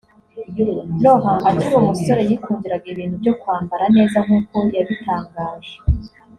Lauren akiri umusore yikundiraga ibintu byo kwambara neza nk’uko yabitangaje